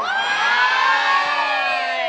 เฮ้ย